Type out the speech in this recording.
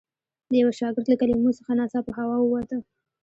د یوه شاګرد له کلمو څخه ناڅاپه هوا ووته.